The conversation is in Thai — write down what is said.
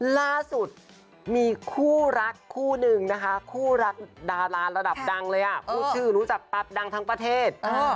ล่าสุดมีคู่รักคู่นึงนะคะคู่รักดาราระดับดังเลยพูดชื่อรู้จักปั๊บดังทั้งประเทศ